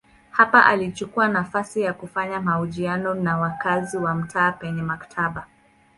Hapa alichukua nafasi ya kufanya mahojiano na wakazi wa mtaa penye maktaba.